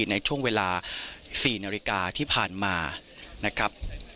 ในช่วงเวลา๔นาฬิกาที่ผ่านมานะครับ